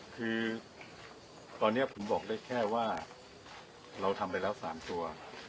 คือตอนนี้ผมบอกได้แค่ว่าเราทำไปแล้ว๓ตัว